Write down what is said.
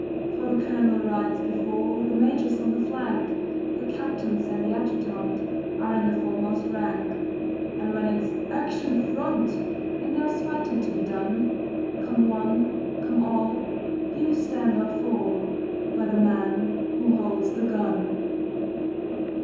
For the Colonel rides before, The Major's on the flank, The Captains and the Adjutant Are in the foremost rank. And when it's 'Action front!' And there's fighting to be done, Come one, come all, you stand or fall By the man who holds the gun.